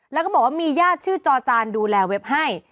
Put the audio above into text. แล้วก็บอกว่ามีญาติชื่อจอจานดูแลเว็บให้